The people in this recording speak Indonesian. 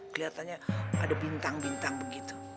kelihatannya ada bintang bintang begitu